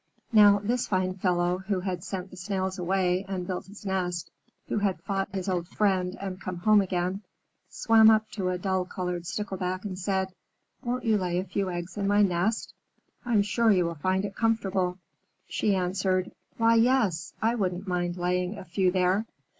Now this fine fellow, who had sent the Snails away and built his nest, who had fought his old friend and come home again, swam up to a dull colored Stickleback, and said, "Won't you lay a few eggs in my nest? I'm sure you will find it comfortable." She answered, "Why, yes! I wouldn't mind laying a few there."